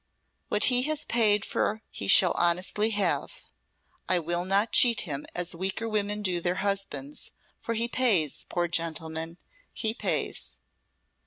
What he has paid for he shall honestly have. I will not cheat him as weaker women do their husbands; for he pays poor gentleman he pays."